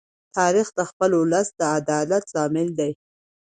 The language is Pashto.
تاریخ د خپل ولس د عدالت لامل دی.